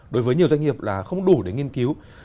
đối với nhiều doanh nghiệp là không đủ để nghiên cứu